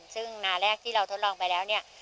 ซึ่งนาแรกที่เราทดลองไปแล้วเนี่ย